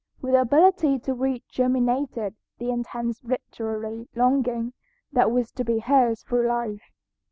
With the ability to read germinated the intense literary longing that was to be hers through life.